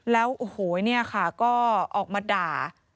แล้วโอ้โหเนี่ยค่ะก็ออกมาด่า